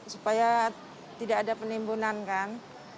supaya tidak ada penimbunan kan